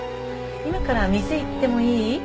今から店行ってもいい？